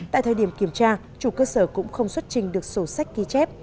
tại thời điểm kiểm tra chủ cơ sở cũng không xuất trình được sổ sách ghi chép